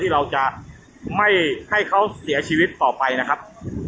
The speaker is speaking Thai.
เราจะไม่ให้เขาเสียชีวิตต่อไปนะครับ